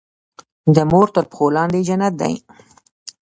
د مور تر پښو لاندي جنت دی.